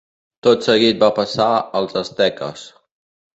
Tot seguit va passar als asteques.